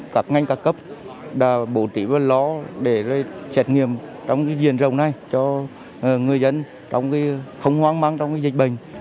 chỉ có ló để lấy xét nghiệm trong cái diện rộng này cho người dân không hoang măng trong cái dịch bệnh